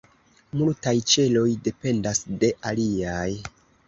Multaj ĉeloj dependas de aliaj.